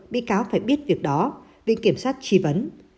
bị cáo phải biết việc đó viện kiểm soát trì vấn